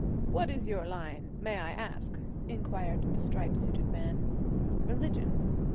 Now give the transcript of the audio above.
'What is your line, may I ask?' inquired the stripe suited man. 'Religion.'